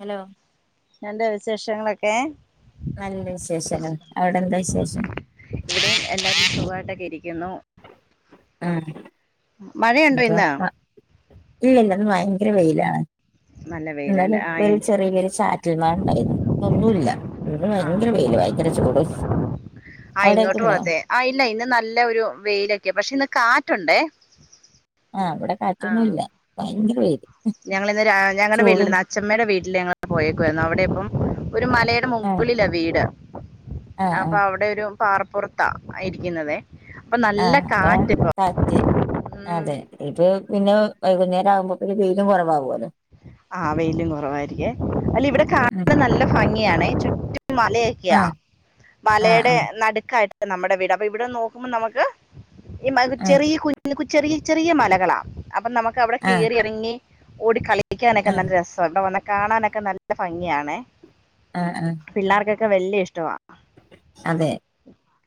Hello. എന്തേ വിസേഷങ്ങളൊക്കെ. നല്ല വിശേഷങ്ങൾ അവിടെന്താ വിശേഷം. ഇവിടെ എല്ലാർക്കും സുഖായിട്ടൊക്കിരിക്കുന്നു. ആഹ് മഴയുണ്ടോ ഇന്ന്. ഇല്ലല്ലന്ന് വയങ്കര വെയിലാണ് നല്ല ന്നലെ വെയിലല്ലേ ആ ഒരു ചെറിയൊര് ചാറ്റ റ്റൽ മഴണ്ടായിന്നു ഇന്നൊന്നൂല്ലാ. ഇന്ന് ആ വയങ്കര വെയില് വയങ്കര ചൂടും അവിടെക്കെണ്ടോ. ആഹ് ഇല്ല ഇന്ന് നല്ല ഒരു വെയിലൊക്കെ പക്ഷെ ഇന്ന് കാറ്റുണ്ടേ. ആഹ് ഇവിടെ ആ കാറ്റൊന്നുല്ല ഭയങ്കരവെയ്ല്. ഞങ്ങളിന്ന് രാ ഞങ്ങടെ വീട്ടിലല്ലന്ന് അഛമ്മേടെ വീട്ടിൽ ഞങ്ങള് പോയേക്കുവായിരുന്നു അവിടെ ഇപ്പം ഒരു മലേ ടെ ആഹ് മുകളിലാ വീട് ആഹ് അപ്പൊ ആഹ് അവിടെ ഒരു പാറപ്പുറത്താ ഇരിക്കുന്നുന്നതേ. ആഹ് അപ്പൊ കാറ്റ് ഉം അതെ. ഇപ്പൊ പിന്നെ വൈകുന്നേരാമ്പോ പിന്നെ വെയിലും കൊറവാവോല്ലോ. ആഹ് വെയിലും കൊറവായിരിക്കേ അല്ല ഇവിടെ കാ ഉം നല്ല ഭംഗിയാണെ ചുറ്റും മലയൊക്കെയാ ആഹ് ആഹ് മലയുടെ ആഹ് നടുക്കായിട്ട്. നമ്മടെ വീട് അപ്പൊ ഇവിടന്ന് നോക്കുമ്പോ നമക്ക് ഈ മക് ആഹ് ചെറിയ കുഞ്ഞ് കുഞ്ഞ്. ചെറിയ ചെറിയ മലകളാ അപ്പൊ നമുക്ക് അവിടെ ആഹ് കയറി ഇറങ്ങി ഓടിക്കളി ളിക്കാനൊക്കെ ആഹ് നല്ല രസ്സാ ഇവിടെ വന്നാ കാണാനൊക്കെ നല്ല ഫംഗിയാണെ. ആഹ്, ആഹ്. പിള്ളാർക്കൊക്കെ വല്ല്യേ ഇഷ്ടവാ. അതെ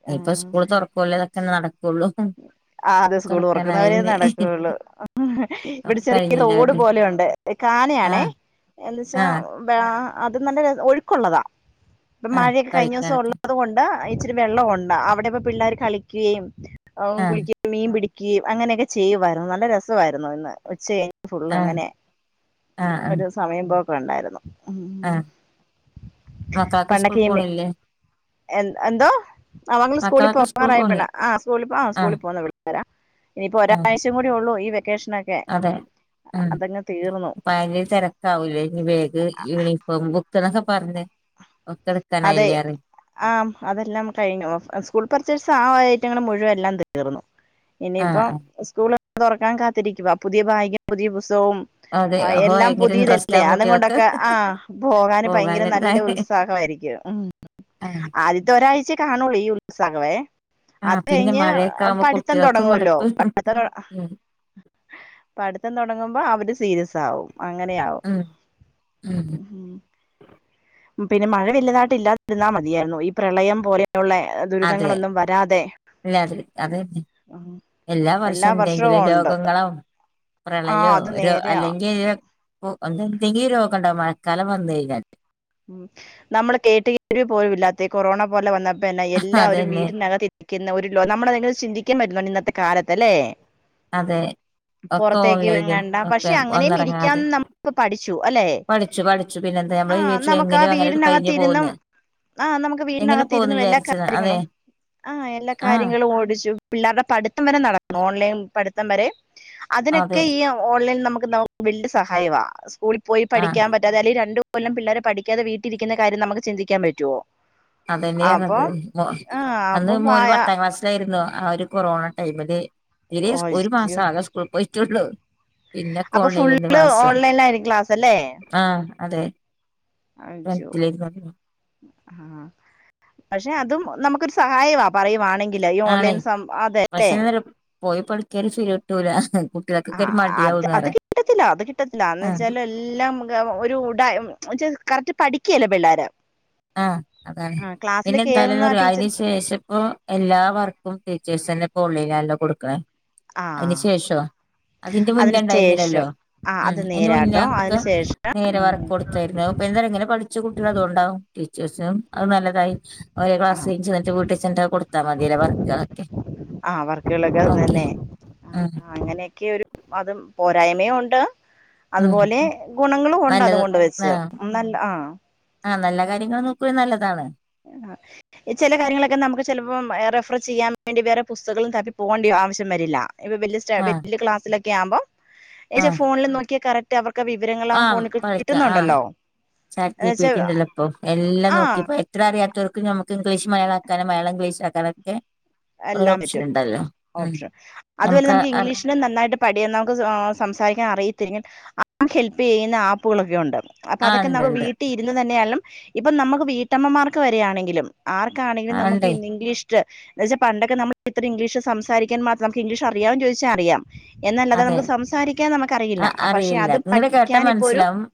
ഞ്ഞിപ്പൊ സ്കൂൾ തൊറക്കോല്ലോ തൊക്കെ നടക്കൊള്ളൂ. ആഹ് അതെ സ്കൂള് തൊറക്കുന്നവരേ നടക്കൊള്ളൂ. ആഹ് ഇവിടെ ഒക്കെ ചെറിയ കഴിഞ്ഞില്ലേ റോഡ് അവരുടെ പോലെയുണ്ട് കാനയാണേ ആഹ് എന്നെച്ചാ. ആഹ് വെ ആ അത് നല്ല ഒഴുക്കുള്ളതാ ഇപ്പൊ ആഹ് മഴയൊക്കെ കഴിഞ്ഞൂസം കളിക്കാനൊക്കെ ഒള്ളത് കൊണ്ട്. ച്ച് രി വെള്ളവൊണ്ട് അവിടപ്പൊ പിള്ളേര് കളിക്കേം ആഹ് കുളിക്കേം. മീ പിടിക്കേം അങ്ങനൊക്കെ ചെയ്യുവാര്ന്നു നല്ല രസവായിരുന്നു ഇന്ന് ഉച്ച കഴി ഫുള്ള് ആഹ് ങ്ങനെ ആഹ് ആഹ് ഒരു സമയം പോക്ക് വേണ്ടായിരുന്നു. ഉം ആഹ് മക്കളൊക്കെ സ്കൂൾ പണ്ടക്കെയെമ്മെ പോണില്ലേ എ എന്തോ അവങ്ങള് സ്കൂളി മക്കളൊക്കെ സ്കൂൾ പോവാറായ പിള പോണില്ലേ ആഹ് സ്കൂളി ആഹ് സ്കൂളി പോവുന്ന പിള്ളാ രാ ഇനിയിപ്പോ ആഹ് ഒരാഴ്ചേകൂടി ഒള്ളൂ ഈ വെക്കേഷനൊക്കെ. അതെ ഉം അതങ്ങ് തീർന്നു ഭയങ്കര തെരക്കാവൂലേ ഇനി ബേഗ്, യൂണീഫോ ഇപ്പ ബുക്കന്നൊക്കെ പറഞ്ഞ് ഒക്കെട്ക്കാനായില്ലെറയെ. ആഹ് അതെല്ലാം കഴിഞ്ഞു സ്കൂൾ പർച്ചേസ് ആ ഐറ്റങ്ങള് മുഴുവെല്ലാം തീർന്നു. ആഹ് ഇനീപ്പം ആഹ് സ്കൂള് തൊറക്കാൻ കാത്തിരിക്കുവാ പുതിയ ഭാഗും പുതിയ പുസ്തകവും. അതെ ആഹ് അപ്പൊ എല്ലാം ഭയങ്കര ഇൻട്രസ്റ്റ് പുതിയതല്ലേ ആകും അതും കുട്ടികൾക്ക് കൊണ്ടൊക്കെ ആഹ് പോകാന് ഭയങ്കര നല്ല. പോകാനൊരു നല്ല ഉത്സാഹായിരിക്കും ഉം ആഹ് ആദ്യത്തെ ഒരാഴ്ച കാണൊള്ളൂ ഈ ഉത്സാഹവേ. അത് ആഹ് പിന്നെ കഴിഞ്ഞ് മഴയൊക്കെ ആകുമ്പോ പഠിത്തം കുട്ടികൾക്കും തൊടങ്ങൂല്ലോ മടുപ്പ് പഠിത്തംതൊ ഉം പഠിത്തം തൊടങ്ങുമ്പോ അവര് സീരിയസാവും. അങ്ങനെയാവും ഉം ഉം ഉഹും. പിന്നെ മഴ വല്ല്യതായിട്ട് ഇല്ലാതിരുന്നാ മതിയായിരുന്നു ഈ പ്രളയം പോലെയുള്ള. ദുരിതങ്ങളൊന്നും വരാതെ. ല്ലാതെ അതെന്നെ ഉം. എല്ലാ വർഷം വർഷവും എന്തെങ്കിലും ഉണ്ട് രോഗങ്ങളും. ആ പ്രളയോ അത് രോ നേരെയാ അല്ലെങ്കി എന്തെന്തെങ്കിലും രോഗണ്ടാവും മഴക്കാലം വന്ന്കഴിഞ്ഞാല്. നമ്മള് കേട്ട് ഇത്തിരിപോലും ഇല്ലാത്ത കൊറോണ പോലെ വന്നപ്പോ തന്നെ എല്ലാവരും അതന്നെ വീടിനകത്ത് ക്കുന്ന ഒരു ലോ നമ്മളഅതെങ്ങനെ ചിന്തിക്കാൻ പറ്റുന്നോ ഇന്നത്തെ കാലത്ത് അല്ലേ അതെ ഒക്കെ ഓൺലൈനും എങ്ങണ്ട ഒക്കെ പക്ഷെ അങ്ങനെയും ഇരിക്കാൻ വന്നിറങ്ങാതെ നമ്മക്ക് പഠിച്ചു അല്ലെ പഠിച്ചു പഠിച്ചു പിന്നെ എന്താ നമ്മള് ആഹ് നമുക്ക് ആ എങ്ങനെയോ അങ്ങനെ വീടിനകത്തി കഴിഞ്ഞു ഇരുന്നും പോകുന്നു ആഹ് നമുക്ക് എങ്ങനെ പോകുന്നു വീടിനകത്തിരുന്നു എല്ലാ വിചാരിച്ചത് അതെ കാര്യങ്ങളും ആഹ് എല്ലാ ആഹ് കാര്യങ്ങളും ഓടിച്ചും പിള്ളേരുടെ പഠിത്തം വരെ നടക്കണു ഓൺലൈൻ പഠിത്തം വരെ അതിനൊക്കെ അതെ ഈ ഓൺലൈൻ നമുക്ക് നമുക്ക് വലിയസഹായവ സ്കൂളിൽ പോയി ആഹ് പഠിക്കാൻ പറ്റാതെ അല്ലെ രണ്ടു കൊല്ലം പിള്ളേരെ പഠിക്കാതെ വീട്ടിരിക്കുന്ന കാര്യം നമ്മക്ക് ചിന്തിക്കൻ പറ്റുവോ അതന്നെയായിത് അപ്പൊ മോൻ ആഹ് അപ്പൊ അന്ന് മോന് പായ പത്താം ക്ലാസ് ത്തയിരുന്നു ആ ഒരു കൊറോണ ടൈമില് ഇതില് ഒരു അയ്യോ മാസം ആകെ സ്കൂളിപോയിട്ടുള്ളു പിന്നെ അപ്പൊ കോളേയ്നേന്ന് ഫുള്ള് ക്ലാസ് ഓൺലൈനിലായിരിക്കും ക്ലാസ് അല്ലേ ആഹ് അതെ അയ്യോ വനത്തിലേക്ക് വന്നു ആഹ് പക്ഷെ അതും നമുക്കൊരു സഹായവ പറയുവാണെങ്കില് ഈ ആണേ ഓൺലൈൻ സം അതെല്ലെ പക്ഷെ പോയി പളിക്കാലും ശെരി ആവുത്തൂല ആഹ് അത് അത് കിട്ടത്തില്ല അത് കിട്ടത്തില്ല എന്ന് ആഹ് വെച്ചാല് എല്ലാം ഒരു ഉട കറക്റ്റ് പഠിക്കല്ല പിള്ളോര് ആഹ് അതാണ് പിന്നെ എന്തായാലും കേറുന്ന ഒര് ടീച്ചർ അതിന്ശേഷഇപ്പോ എല്ലാ വർക്കും ടീച്ചേഴ്സ് തന്നെ പോളിലല്ലോ കൊടുക്കണ അതിന് ആഹ് ശേഷവ അതിന്റെ മുന്നേ അതിന് ഉണ്ടായിരുന്നില്ലല്ലോ ശേഷം ആഹ് ഉം അത് അതിന്റെ മുന്ന നേരാട്ടോ അവർക്ക് അതിന് ശേഷം നേരെ ഉം വർക്ക് കൊടു തരുന്നു പിള്ളേര് ഇങ്ങനെ പഠിച്ച കുട്ടികൾ അത് ഉണ്ടാവും ടീച്ചേഴ്‌സിനും അത് നല്ലതായി ഒരേ ക്ലാസി ആഹ് ചെന്നിട്ട് വീട്ടിചെന്നിട്ട് കൊടുത്താ മതിയല്ല വർക്ക്കളൊക്കെ അവർക്കിളക അത് തന്നെ ആഹ് ഉം അങ്ങനെയൊക്കെ ഒരു അതും പോരായ്മയും ഉണ്ട് ഉം അതുപോലെ ഗുണങ്ങളും ഉണ്ട് നല്ലത് അതുകൊണ്ട് വെച്ച് ആഹ് നല്ല ആ ആഹ് നല്ല കാര്യങ്ങൾ നോക്കുവ നല്ലതാണ് ആഹ് ചെല കാര്യങ്ങളൊക്കെ നമുക്ക് ചിലപ്പോ റെഫറ് ചെയ്യാൻ വേണ്ടി വേറെ പുസ്തകങ്ങളും തപ്പി പോകേണ്ടി ആവശ്യം വരില്ല ചെലപ്പം ആഹ് വലിയ ക്ലാസിലൊക്കെ ആകുമ്പോ ആഹ് ഏച്ച ഫോണിൽ നോക്കിയ കറക് മറ്റ അവർക്ക് വിവരങ്ങള ആ ആഹ് ഫോണിൽ പഠിക്കാം ആഹ് കിട്ടുന്നുണ്ടല്ലോ ചാറ്റ് ജി പി എന്നുവെച്ചാ ടി ഇണ്ടല്ലോ ഇപ്പൊ എല്ലാം ആ നോക്കിപ്പോ ഇത്ര അറിയാത്തവർക്ക്‌ നമുക്ക് ഇംഗ്ലീഷ് മലയാളക്കാനും മലയാളം ഇംഗ്ലീഷ് ആക്കാനൊക്കെ ഒരു എല്ലാം ഓപ്ഷൻ പറ്റും ഉണ്ടല്ലോ ഉം ഓപ്ഷൻ അതുപോലെ നമുക്ക് ഇംഗ്ലീഷ് ഇതിനും നന്നായിട്ട് പടിയാന്ന് നമുക്ക് സംസാരിക്കാൻ അറിയത്തില്ലെങ്കിൽ ആ ഹെൽപ് ചെയ്യുന്ന ആപ്പുകളൊക്കെ ഉണ്ട് അപ്പൊ ആഹ് അതൊക്കെ ഉണ്ട് നമ്മ ഉണ്ട് വീട്ടിൽ ഇരുന്ന് തന്നെയാലും ഇപ്പൊ നമുക്ക് വീട്ടമ്മമാർക്ക് വരയാണെങ്കിലും ആർക്കാണെങ്കിലും ആഹ് നമുക്ക് ഉണ്ടേ ഇന്ന് ഇംഗ്ലീഷില് എന്ന വെച്ചാ പണ്ടക്കെ നമ്മള് ഇത്ര ഇംഗ്ലീഷ്സംസാരിക്കാൻ മാത്രം നമ്മക്ക് ഇംഗ്ലീഷ്അറിയാവൊന്ന് ചോദിച്ചാആറിയാം എന്നല്ലാതെ അതെ നമുക്ക് സംസാരിക്കാൻ നമുക്ക്റിയില്ല ആഹ് പക്ഷെ അറിയില്ല അതു ഇങ്ങള് കേട്ടാ പഠിക്കാൻ ഇപ്പോ ഒരു മനസ്സിലാവും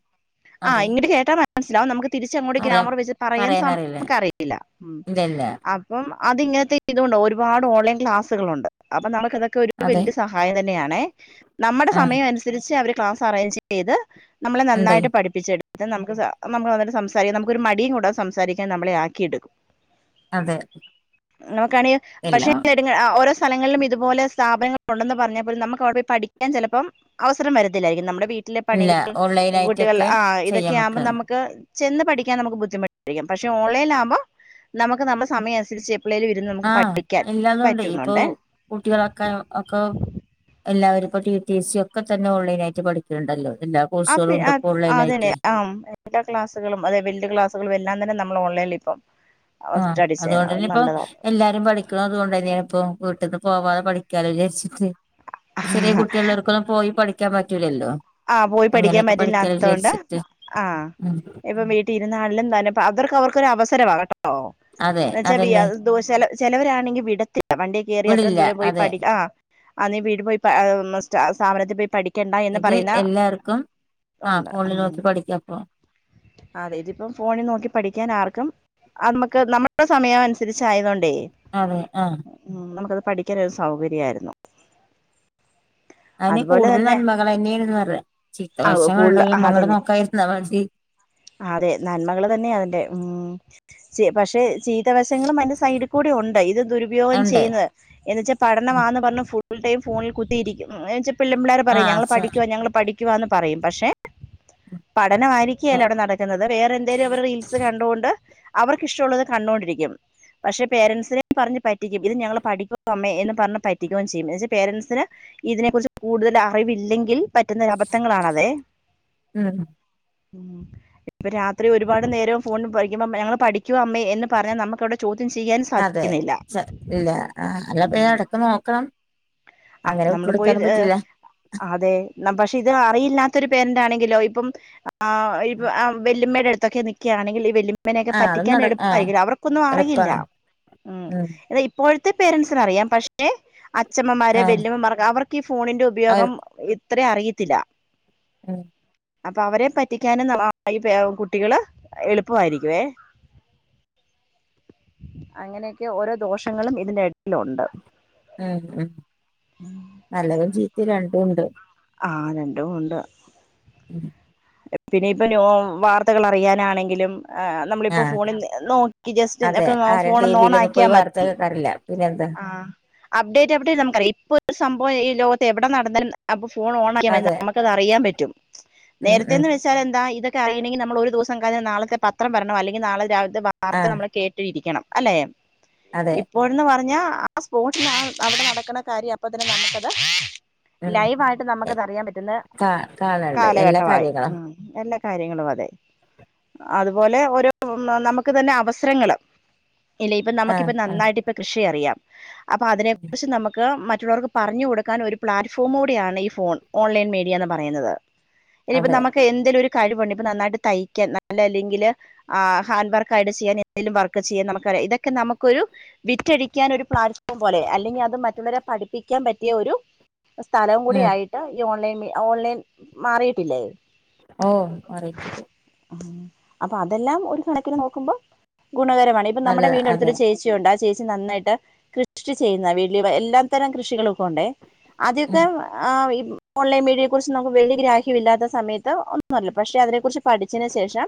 ആഹ് അതെ ഇങ്ങട്ട് കേട്ടാ മ മനസ്സിലാവും നമുക്ക് തിരിച്ച അങ്ങോട്ട് പറയാ ഗ്രാമർ വെച്ച് പറയാൻ സം പറയാനറിയില്ല നമുക്ക് അറിയില്ല ഇല്ല ഇല്ല ആപ്പ് അപ്പം അതിങ്ങനത്തെ ഇതകൊണ്ട് ഒരുപാട് ഓൺലൈൻ ക്ലാസുകളുണ്ട് അപ്പൊ നമുക്ക് ഇതൊ ക്കെ ഒരു അതെ വലിയ സഹായം തന്നെ ആണേ നമ്മുടെ ആഹ് സമയം അനുസരിച്ച് അവര് ക്ലാസ് അറേഞ്ച് ചെയ്ത് നമ്മളെ ഉണ്ടേ നന്നായിട്ട് പഠി പിച്ചെടുത്ത് നമുക്ക് സ നമ്മള് സംസാരിക്കാം നമുക്ക് ഒരു മടിയും കൂടാതെ സംസാരിക്കാൻ നമ്മളെ ആക്കിഎടുക്കും. അതെ നോക്കണി എല്ലാം പക്ഷെലെ പിന്നെ ഓരോ സ്ഥലങ്ങളിലും ഇതു പോലെസ്ഥാപനങ്ങൾ ഉണ്ടെന്ന് പറഞ്ഞാ പോലും നമുക്ക് അവിടെ പോയി പഠിക്കൻ ചെലപ്പം അവസരം വരത്തില്ലായിരിക്കും നമ്മുടെ വീട്ടിലെ ഇല്ല പണികൾ ഓൺലൈൻ കുട്ടികൾ ആയിട്ടൊക്കെ ആ ചെയ്യാൻ ഇതൊക്കെ ആകുമ്പോ പറ്റും നമുക്ക് ചെന്ന് പഠിക്കാൻ നമുക്ക്ബു ധിമുട്ടായ പഷേ ഓൺലൈലാ കുമ്പോ നമുക്ക് നമ്മ സമയമനുസരിച്ച് എപള്ളേല്ഇരുന്ന് നമുക്ക് ആഹ് പഠിക്കാൻ എല്ലാതും ഉണ്ട് ഇപ്പൊ പറ്റുന്നുണ്ടേ കുട്ടികളൊക്കെ അക്ക എല്ലാവും ഇപ്പോ ടി ടി സി ഒക്കെതന്നെ ഓൺലൈനായിട്ട്പ ഠിക്കുന്നുണ്ടല്ലോ എല്ല ആ പി അ അതന്നെ ആ എല്ല ക്ലാസുകളും അതെവലിയേ ക്ലാസുകളും എല്ലാം തന്നെ നമ്മൾ ഓൺലൈനി ഇപ്പം ആഹ സ്റ്റഡി അതുകൊണ്ട് ചെയ്യുന്നത് തന്നെ ഇപ്പൊ നല്ലതാ എല്ലാരും പഠിക്കണം അതുകൊണ്ട് തന്നെയാണ് ഇപ്പ വീട്ടിന്ന് പോവാതെ പഠിക്കാലോ വിചാരിച്ചിട്ട് ചെറിയ കുട്ടികുള്ളവർക്കൊന്നും പോയി പഠിക്കാൻ പറ്റൂലല്ലോ ആഹ പോയി പഠിക്കാൻ അങ്ങനെയൊക്കെ പഠിക്കാലോ പറ്റില്ലാത്തൊണ്ട് വിചാരിച്ചിട്ട് ആ ഉം ഇപ്പൊ വീ ട്ടിരുന്നാലും തന്നെ ഇപ്പ അവർക്ക് അവർക്കൊരു അവസരവാ കട്ടോ അതെ അതന്നെ എന്ന വെച്ചാ ചിലവരാണെങ്കിൽ വിടത്തില്ല വണ്ടിയ കയറി അത്രയും വിടില്ല ദൂരം പോയി അതെ പടി ആ ആ നീ വീട് പോയി സ്ഥാപനത്തിൽ പോയി പഠിക്കേണ്ട ഇത് എല്ലാർക്കും ആ ഫോണിൽ ഉം നോക്കി പഠിക്കപ്പോ അതെ ഇതിപ്പം ഫോണിൽ നോക്കി പഠിക്കാൻ ആർക്കും നമുക്ക് നമ്മുടെ സമയം അനുസരിച്ച ആയതൊണ്ടേ അതെ ആ ഉ നമുക്കത് പഠിക്കാൻ ഒരു സൗകര്യയായിരുന്നു അതിന് കൂടുതൽ തന്നെ നന്മകൾ തന്നെയായിന്ന് പറഞ്ഞ ചീത്ത ആ കൂടുതൽ വശങ്ങുണ്ടോ അമ്മ കടെ അതന്നെ നോക്കായിരുന്ന മതി അതെ നന്മകള് തന്നെയാണ്ല്ലേമ്മ് പക്ഷെ ച്ചി ത്തവശങ്ങളും അതിന്റെ സൈഡിൽ കൂടെ ഉണ്ട് ഇത് ദുരുപയോഗം ഉണ്ട് ചെയ്യുന്ന എന്ന്വെച്ചാ ഉം പഠനമാന്ന് പറഞ്ഞ് ഫുൾ ടൈം ഫോണിൽ കുത്തിയിരിക്കും എച്ചാൽ പിള്ള പിള്ളേർ പറയും ഞങ്ങ ആഹ് ശരി ഞങ്ങൾ പഠിക്കുവാന്ന് പറയും പക്ഷെ പഠനമായിരിക്കേല അവിടെ നട ക്കുന്നത് വേറെ എന്തേലും അവർ റീൽസ് കണ്ടുകൊണ്ട് അവർക്ക് ഇഷ്ടമുള്ളത് കണ്ടുകൊണ്ടിരിക്കും പക്ഷെ പേരൻറ്സിനെ പറഞ്ഞ് പറ്റിക്കും ഇത് ഞങ്ങള്ൾ പഠിക്കുവാ അമ്മേ എന്ന് പറഞ്ഞ് പറ്റ [unintelligible] ചെയുന്നേ എന്ന് വെചാ പേരെന്റ്സ്നെ ഇതിനെ കുറി കൂടുതൽ അറിവില്ലെങ്കി ൽ പറ്റുന്ന അബദ്ധങ്ങളാണതെ ഉം ഉം ഇപ്പ രാത്രി ഒരുപാട് നേരം ഫോണിൽ പഠിക്കുമ്പോ ഞങ്ങൾ പഠിക്കുവ അമ്മേ എന്ന് പറഞ്ഞ നമ്മുക്കവിടെ ചോദ്യം ചെയ്യാൻ അതെ സാധിക്കുന്നില്ല ഇല്ല ആ ഉം അല്ലപ്പ ഇടക്ക് നോക്കണം ആഹ് അങ്ങനെ വിട്ട് നമ്മള് പോയി കൊടുക്കാനും ഏഹ് പറ്റില്ല അതെ പക്ഷെ ഇത് അറിയില്ലാത്ത ഒരു പേരന്റ് ആണെങ്കിലോ ഇപ്പം ആഹ് ഇപ്പ ആ വെല്ലുമ്മടടുത്തൊക്കെ നിക്കാണെങ്കിൽ ഇ വല്ലിമ മ്മനൊക്കെ ആ അത് പറ്റിക്കാൻ നട ആ എളുപ്പായിരിക്കും അവർക്കൊന്നും അറിയില്ല എളുപ്പാണ് ഉം ഇപ്പോഴത്തെ പേരന്സ്നറിയാം പക്ഷെ അച്ഛമ്മമാരെ ആ വല്യമ്മമാർ അവർക്ക് ഈ ഫോണിന്റെ അവർ ഉപയോഗം ഇത്ര അറിയത്തില്ല ഉം അപ്പൊ അവരെ പറ്റിക്കാനുംന മ ഇ പേരകുട്ടികള് എളുപ്പമായിരിക്കുവേ അങ്ങനെയൊക്കെ ഓരോ ദോഷങ്ങളും ഇതിന്റെ ഇടലുണ്ട് ഉം ഉം നല്ലതും ചീത്തി രണ്ടും ഉണ്ട് ആഹ് രണ്ടുമൂണ്ട് ഉം പിന്നെ ഇപ്പൊ ന്യൂ വാർത്തകൾ അറിയാനാണെങ്കിലും ആ ആ നമ്മളിപ്പോ ഫോണിൽ നോക്കി അതെ ജസ്റ്റ്ക്കെ ആരും ഫോൺ ടി ഒന്ന് ഓൺ വിയിലൊന്നും ആക്കിയാ പോയി വാർത്ത മതി കേൾക്കാറില്ല പിന്നെന്താ ആഹ് അപ്ഡേറ്റ് എവിടെ നമുക്കറിയാംഇപ്പോത്തെ സംഭവം ഈ ലോകത്ത് എവിടെ നടന്നാലും അപ്പൊ ഫോൺ ഓൺ ആയമതി അതെ നമുക്ക് അറിയാൻ പറ്റും ഉം ഉം നേരത്തെന്ന് വെച്ചാ എന്ത ഇതൊക്കെ അറയിണെങ്കിൽ നമ്മള് ഒരു ദിവസ ക നാളത്തെ പത്രം വരണം അല്ലെങ്കിൽ നളെ രാവി ലത്തെ ആ വാർത്ത നമ്മൾ കേട്ടിരിക്കണം അല്ലെ അതെ ഇപ്പോഴന്ന് പറഞ്ഞ ആഹ് സ്പോട്ടിന് അവിടെ നടക്കുന്ന കാര്യം അപ്പൊ തന്നെ നമുക്കത് ഉം ലൈവ് ആയിട്ട് എ നമുക്കത് അറിയാൻ പറ്റുന്ന കാ കാണണ്ട് എല്ലാ കാലഘട്ടമായി കാര്യങ്ങളും ഉം എല്ലാ കാര്യങ്ങളും അതെ അതുപോലെ ഓരോ നമുക്ക് തന്നെ അവസരങ്ങള് ഇല്ല ഇപ്പൊ ആ നമുക്കിപ്പ ആ നന്നായിട്ട് ഇപ്പ കൃഷി അറിയാം അപ്പൊ അതിനെ കുറിച്ച് നമുക്ക് മറ്റുള്ളവർക്ക് പറഞ്ഞു കൊടുക്കാൻ ഒരു പ്ലാറ്റ്ഫോമ കൂടെയാണ് ഈ ഫോൺ ഓൺലൈൻ മീഡിയ എന്ന് പറയുന്നത് ഇനി ഇപ്പ അതെ നമുക്ക് എന്തേലും ഒരു കഴിവുണ്ട ഇപ്പൊ നന്നായിട്ട് തയ്ക്കാൻ നല്ല അല്ലെങ്കില് ആഹ് ഹാൻഡ്ർക്കായിട്ട് ചെയ്യാൻ എന്തേങ്കിലും വർക്ക് ചെയ്യാൻ നമുക്കിയാം ഇതൊക്കെ നമുക്കൊരു വിറ്റഴിക്കാൻ ഒരു പ്ലാറ്റ്ഫോം പോലെ അല്ലെങ്കിൽ അത് മറ്റുള്ളവരെ പഠിപ്പിക്കാൻ പറ്റിയ ഒരു സ്ഥലം ഉം കൂടിയായിട്ട് ഈ ഓൺ ഓൺലൈൻ മാറിയിട്ടില്ലേ ഓഹ് [unintelligible] അപ്പൊ അതെല്ലാം ഒരു കണക്കിന് നോക്കുമ്പോ ഗുണകരമാണ് ഇപ്പ നമ്മുടെ നല്ലതാ വീടിന്റെ അതെ അടുത്തരു ചേച്ചി ണ്ട് ആഹ് ചേച്ചി നന്നായിട്ട് കൃഷി ചെയ്യുന്ന വീട്ടിൽ എല്ലാത്തരം കൃഷികളും ഉണ്ട് ഉം ആദ്യൊക്കെ ഓൺലൈൻ മീഡിയെ കുറിച്ച് നമുക്ക് വലിയ ഗ്രാ ഇല്ലാത്ത സമയത്ത് ഒന്നും അറില്ല പക്ഷെ അതിനെ കുറിച്ച് പഠിച്ചതിനന് ശേഷം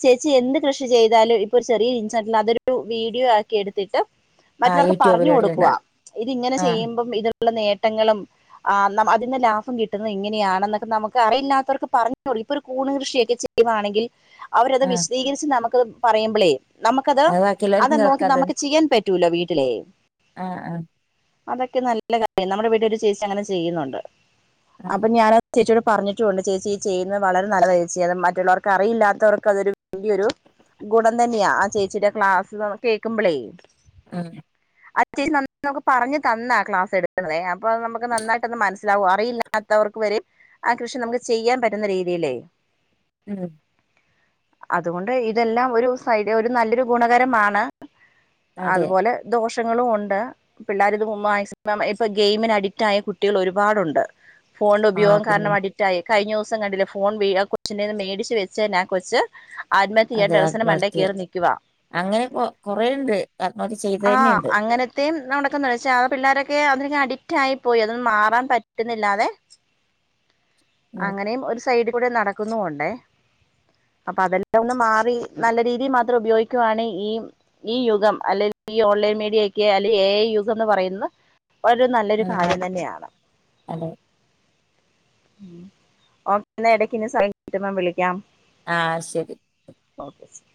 ചേച്ചി എന്ത് കൃഷി ചെയ്താലും ഇപ്പൊ ഒരു ചെറിയ ഇൻസ്റ്റാറ്റിൽ അതൊരു വീഡിയോ ആക്കി എടുത്തിട്ട് ആ മറ്റുള്ളവർക്ക് യൂട്യൂബിൽ പറഞ്ഞു കൊടുക്കുവ ഇടുന്നുണ്ടാവും ഇതി ഇങ്ങനെ ആ ചെയ്യുമ്പം ഇത് നേട്ടങ്ങളും ആഹ് അതിന്റെ ലാഭം കിട്ടുന്നത് ഇങ്ങനെയാണന്നൊക്കെ നമുക്ക് ല്ലാത്തവർക്ക് പറഞ്ഞോ ഇപ്പൊ ഒരു കൂണ് കൃഷിയൊക്കെ ചെയ്യുവാണെങ്കിൽ അവരത് ആ വിശദീകരിച്ച് നമുക്ക് പറയുമ്പളേ നമുക്കത് അത് അത് ബാക്കിയുള്ളവർക്കും നോക്കി കേൾക്കാ നമുക്ക് ചെയ്യാൻ പറ്റൂലോ വീട്ടിലെ ആഹ് ആഹ് അതൊക്കെ നല്ല കാര്യം നമ്മുടെ വീട്ടിൽ ഒരു ചേച്ചി അങ്ങനെ ചെയ്യുന്നുണ്ട് അപ്പൊ ആഹ് ഞാന ചേച്ചിയ പറഞ്ഞിട്ടുണ്ട് ചേച്ചി ഈ ചെയ്യുന്നത് വളരെ നല്ലത ചേച്ചി അത് മറ്റുള്ളവർക്ക് അറിയില്ലാത്തവർക്ക് അതൊരു വലിയൊരു ഗുണം തന്നെയാ ആഹ് ചേച്ചിയുടെ ക്ലാസ് കേൾക്കുമ്പോളേ അഹ് ഉം അത്യാവശ്യം നന്ന നമുക്ക് പറഞ്ഞ് തന്ന ക്ലാസ് എട്ക്ക്ന്നതേ അപ്പൊ നമുക്ക് നന്നായ് ട്ടെന്ന് മൻസ്സിലാവോ അറിയില്ലാത്തവർക്ക് വെരേം ആ കൃഷി നമുക്ക് ചെയ്യാൻ പറ്റുന്ന രീതിലേയ് ഉം ഉം അത്കൊണ്ട് ഇതെല്ലാം ഒരു സൈഡ്യ ഒരു നല്ലൊരു ഗുണകരമാണ് അതെ അത്പോലെ ദോഷങ്ങളും ഉണ്ട് പിള്ളാര് ഇത് മാക്സിമം ഇപ്പ ഗെയ്മിന് അഡിക്റ്റായ കുട്ടികൾ ഒരുപാടൊണ്ട് ഫോൺന്റെ ആഹ് ഉപയോഗം പിന്നെ ടിക്റ്റായി കഴ്ഞ്ഞുസം കണ്ടില്ലേ ഫോൺ വീ ആ കൊച്ചിന്റെയ്ന്ന് മേടിച്ച് വെച്ചതിന് ആ കൊച്ച് ആത്മഹത്യ ചെയ്യാൻ അതെ ടെറസിൻ്റെ മണ്ടേ ആത്മഹത്യ കേറി നിക്കുവാ അങ്ങനെ കൊ കൊറേ ഇണ്ട് ആത്മഹത്യ ചെയ്തയെന്നെ ഇണ്ട് തേം നടക്ക്ന്ന് പക്ഷേ ആ പിള്ളേരൊക്കെ അതിന് ഇങ്ങനെ അഡിക് ആയിപോയി അതിൽ നിന്നും മാറാൻ പറ്റുന്നില്ലാതെ ഉം അങ്ങനെയും ഒരു സൈഡ് ക്കൂടെ നടക്കുന്നും ഉണ്ടേ അപ്പൊ അതെല്ലാം ഒന്ന് മാറി നല്ല രീതിയിൽ മാത്രം ഉപയോഗിക്കുവാണേ ഈ ഈ യുഗം അല്ലേൽ ഈ ഓൺലൈൻ മീഡിയയെക്കെ അല്ലെയ് എ ഐ യുഗംന്ന് പറയുന്നത് ഒരു നല്ലൊരു ഉം കാര്യം തന്നെയാണ് അതെ ഉം ഒക്കെ ന്ന എടയ്ക്ക് ഞാൻ സൈൻ കിട്ടുമ്പം വിളിയ്ക്കാം ആഹ് ശെരി ഓക്കെ ശെരി